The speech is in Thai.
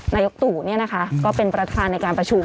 นายกตู่เนี่ยนะคะก็เป็นประธานในการประชุม